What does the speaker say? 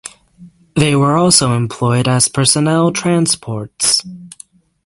They were also employed as personnel transports.